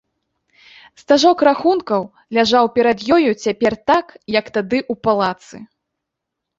Стажок рахункаў ляжаў перад ёю цяпер так, як тады ў палацы.